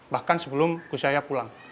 bahkan sebelum gus yahya pulang